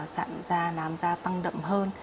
sạm da nám da tăng đậm hơn